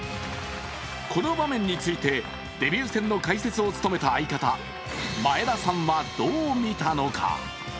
この場面について、デビュー戦の解説を務めた相方・前田さんはどう見たのか？